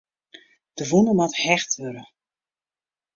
De wûne moat hechte wurde.